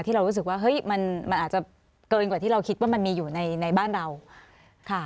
เรารู้สึกว่าเฮ้ยมันอาจจะเกินกว่าที่เราคิดว่ามันมีอยู่ในบ้านเราค่ะ